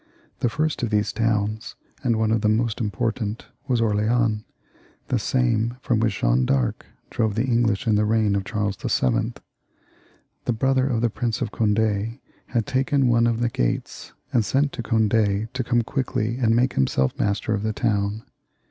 The first of these towns, and one of the most important, was Orleans, the same from which Jeanne D'Arc drove the English in the reign of Charles VII. The brother of the Prince of Cond6 had taken one of the gates, and sent to Cond^ to come quickly and make himself master of the town.